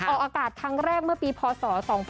ออกอากาศครั้งแรกเมื่อปีพศ๒๕๖